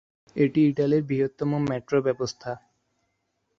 এটি ইটালির বৃহত্তম মেট্রো ব্যবস্থা।